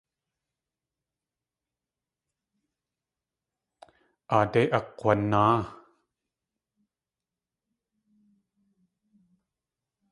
Aadé akakg̲wanáa.